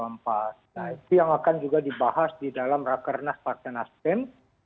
nah itu yang akan juga dibahas di dalam rakernas partai nasdem